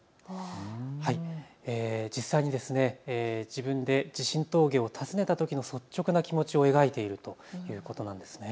実際に自分で地震峠を訪ねたときの率直な気持ちを描いているということなんです。